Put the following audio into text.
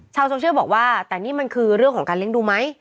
โซเชียลบอกว่าแต่นี่มันคือเรื่องของการเลี้ยงดูไหม